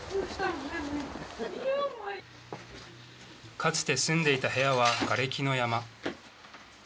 かつて住んでいた部屋はがれきの山。